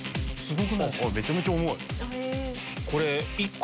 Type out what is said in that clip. めちゃめちゃ重い。